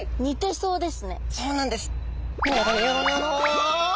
そうなんです。